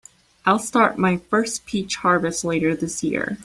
I'll start my first peach harvest later this year.